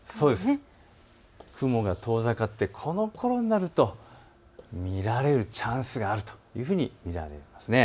雲が遠ざかってこのころになると見られるチャンスがあるというふうに見られます。